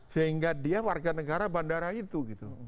sehingga dia warga negara bandara itu gitu